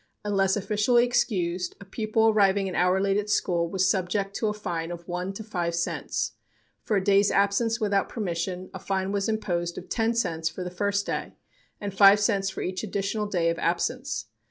Unless officially excused, a pupil arriving an hour late at school was subject to a fine of one to five cents. For a day's absence without permission a fine was imposed of ten cents for the first day and five cents for each additional day of absence.